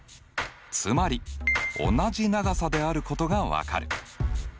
つまり同じ長さであることが分かる。